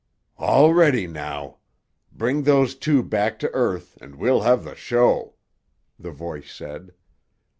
"All ready now! Bring those two back to earth, and we'll have the show!" the voice said.